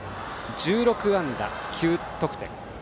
１６安打９得点。